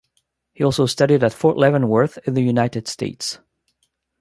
He also studied at Fort Leavenworth in the United States.